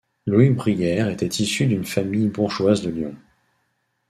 Louis Bruyère était issu d'une famille bourgeoise de Lyon.